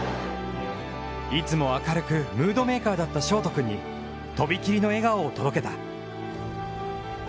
いつも明るくムードメーカーだった勝登君にとびきりの笑顔を届けた。